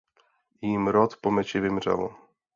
Jím rod po meči vymřel.